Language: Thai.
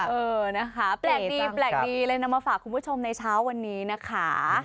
เออนะคะแปลกดีแปลกดีเลยนำมาฝากคุณผู้ชมในเช้าวันนี้นะคะ